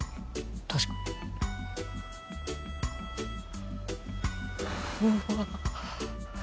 確かにうわ